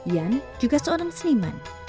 yang juga seorang seniman